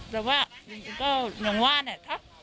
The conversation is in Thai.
แต่ว่าหนึ่งว่าเนี้ย